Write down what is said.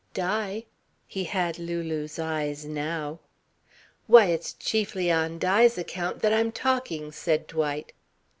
"Di?" He had Lulu's eyes now. "Why, it's chiefly on Di's account that I'm talking," said Dwight.